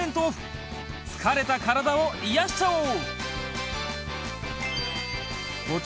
疲れた体を癒やしちゃおう！